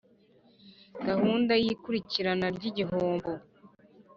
gahunda y ikurikirana ry igihombo